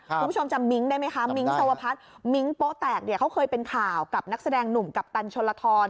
คุณผู้ชมจำมิ้งได้ไหมคะมิ้งสวพัฒน์มิ้งโป๊แตกเนี่ยเขาเคยเป็นข่าวกับนักแสดงหนุ่มกัปตันชนลทร